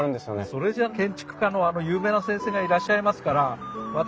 それじゃあ建築家のあの有名な先生がいらっしゃいますから私